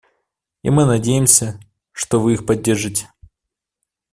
И мы надеемся, что вы их поддержите.